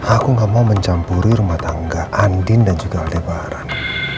aku gak mau mencampuri rumah tangga andin dan juga lebaran